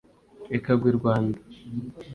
ikagwa i rwanda.